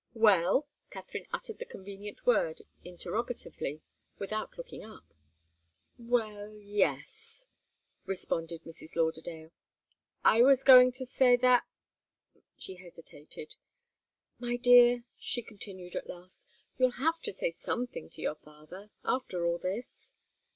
"Well?" Katharine uttered the convenient word interrogatively, without looking up. "Well yes," responded Mrs. Lauderdale. "I was going to say that " She hesitated. "My dear," she continued, at last, "you'll have to say something to your father, after all this."